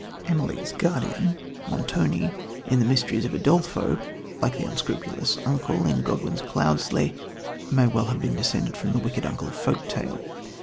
Emily's guardian, Montoni, in The Mysteries of Udolpho, like the unscrupulous uncle in Godwin's Cloudesley, may well have been descended from the wicked uncle of the folk tale.